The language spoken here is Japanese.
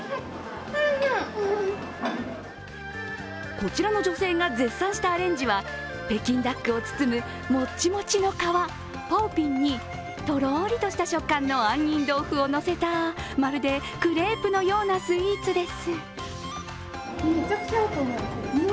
こちらの女性が絶賛したアレンジは北京ダックを包むもっちもちの皮、パオピンにとろりとした食感の杏仁豆腐を乗せたまるでクレープのようなスイーツです。